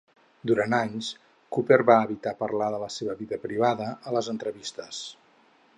Durant anys, Cooper va evitar parlar de la seva vida privada a les entrevistes.